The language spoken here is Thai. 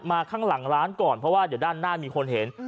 ข้างหลังร้านก่อนเพราะว่าเดี๋ยวด้านหน้ามีคนเห็น